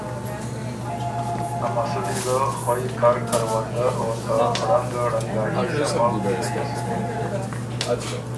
ا مسُودی ګۀ خوئ کر کروندۀ او ته ړنګه ړنګايي سمؤ کی لیۀ سُکِن۔